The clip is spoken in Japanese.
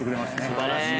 素晴らしい。